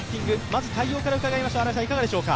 まず対応から伺いましょう。